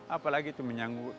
apalagi itu menyambut